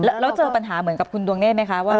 แล้วเจอปัญหาเหมือนกับคุณดวงเนธไหมคะว่า